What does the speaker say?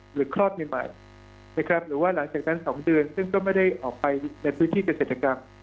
คลอดใหม่นะครับหรือว่าหลังจากนั้น๒เดือนซึ่งก็ไม่ได้ออกไปในพื้นที่เกษตรกรรม